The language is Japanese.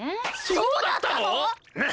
そうだったの！？